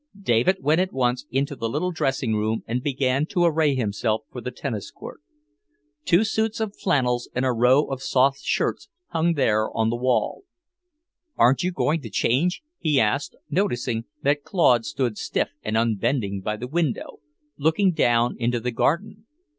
David went at once into the little dressing room and began to array himself for the tennis court. Two suits of flannels and a row of soft shirts hung there on the wall. "Aren't you going to change?" he asked, noticing that Claude stood stiff and unbending by the window, looking down into the garden.